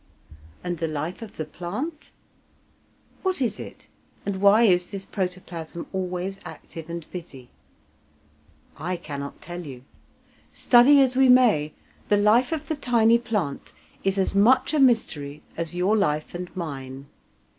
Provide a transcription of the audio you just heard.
And the life of the plant? What is it, and why is this protoplasm always active and busy? I cannot tell you. Study as we may, the life of the tiny plant is as much a mystery as your life and mine.